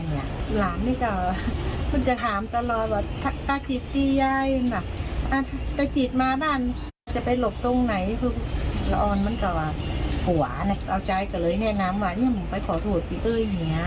เอาใจก็เลยแนะนำว่านี่ผมไปขอโทษพี่เอ้ย